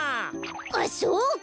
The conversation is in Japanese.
あっそうか！